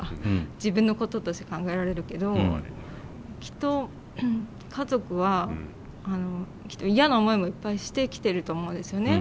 自分のこととして考えられるけどきっと家族は嫌な思いもいっぱいしてきてると思うんですよね。